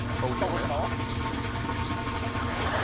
鹿児島ね。